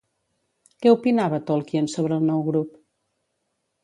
Què opinava Tolkien sobre el nou grup?